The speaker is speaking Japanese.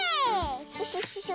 シュシュシュシュ。